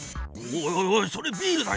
おいそれビールだよ。